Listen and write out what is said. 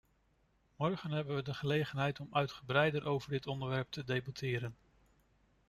Morgen hebben we de gelegenheid om uitgebreider over dit onderwerp te debatteren.